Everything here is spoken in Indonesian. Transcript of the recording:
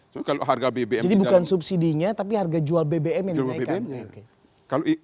jadi bukan subsidinya tapi harga jual bbm yang dinaikkan